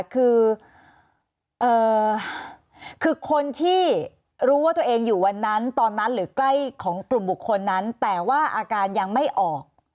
คือคือคนที่รู้ว่าตัวเองอยู่วันนั้นตอนนั้นหรือใกล้ของกลุ่มบุคคลนั้นแต่ว่าอาการยังไม่ออก